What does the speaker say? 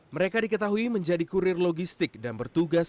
mereka diketahui menjadi kurir logistik dan bertugas